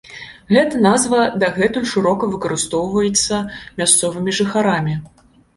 Гэта назва дагэтуль шырока выкарыстоўваецца мясцовымі жыхарамі.